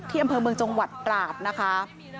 อำเภอเมืองจังหวัดตราดนะคะ